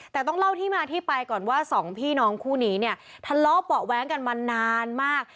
แต่ต้องเล่าที่มาที่ไปก่อนว่าสองพี่น้องคู่นี้เนี่ยทะเลาะเบาะแว้งกันมานานมาก